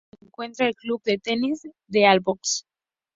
En ella se encuentra el Club de Tenis de Albox.